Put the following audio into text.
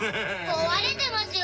壊れてますよ